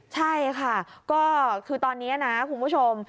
ใช่ค่ะก็คือตอนนี้นะคุณผู้ชม